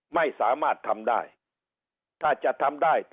ไม่สามารถทำได้